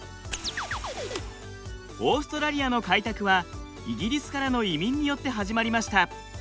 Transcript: オーストラリアの開拓はイギリスからの移民によって始まりました。